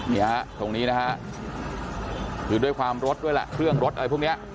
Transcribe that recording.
นี่ฮะตรงนี้นะฮะคือด้วยความรถด้วยแหละเครื่องรถอะไรพวกนี้